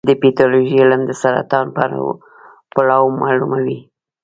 د پیتالوژي علم د سرطان پړاو معلوموي.